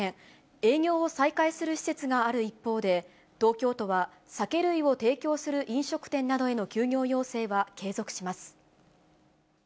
営業を再開する施設がある一方で、東京都は、酒類を提供する飲食店などへの休業要請は継続します。